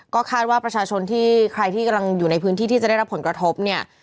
ก็คาดว่าประชาชนที่ใครที่กำลังอยู่ในพื้นที่ที่จะได้รับผลกระทบเนี่ย